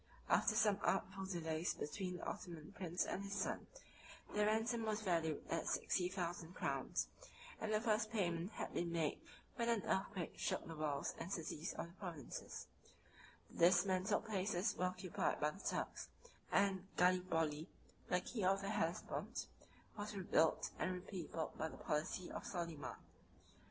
After some artful delays between the Ottoman prince and his son, their ransom was valued at sixty thousand crowns, and the first payment had been made when an earthquake shook the walls and cities of the provinces; the dismantled places were occupied by the Turks; and Gallipoli, the key of the Hellespont, was rebuilt and repeopled by the policy of Soliman.